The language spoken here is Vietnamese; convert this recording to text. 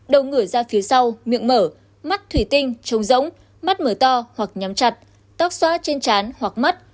đầu ngửa ra phía sau miệng mở mắt thủy tinh trông rỗng mắt mở to hoặc nhắm chặt tóc xóa trên trán hoặc mắt